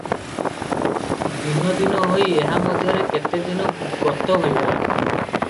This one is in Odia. ଦିନ ଦିନ ହୋଇ ଏହାମଧ୍ୟରେ କେତେଦିନ ଗତ ହୋଇଗଲା ।